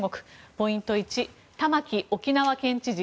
ポイント１、玉城沖縄県知事